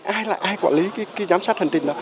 ai là ai quản lý cái giám sát hành trình đó